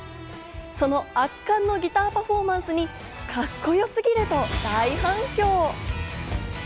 その圧巻のギターパフォーマンスにかっこよすぎると大反響。